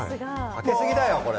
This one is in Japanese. かけすぎだよこれ。